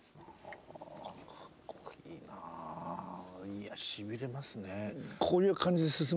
いやしびれますね。